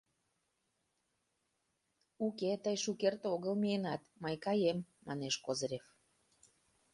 Уке, тый шукерте огыл миенат, мый каем, — манеш Козырев.